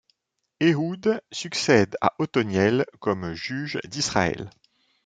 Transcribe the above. Ehud succède à Othoniel comme juge d'Israël.